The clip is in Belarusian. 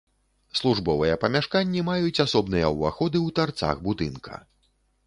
Службовыя памяшканні маюць асобныя ўваходы ў тарцах будынка.